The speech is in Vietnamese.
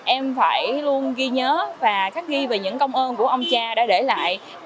em phải luôn ghi nhớ và khắc ghi về những công ơn của ông cha đã để lại